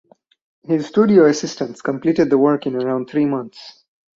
His studio assistants completed the work in around three months.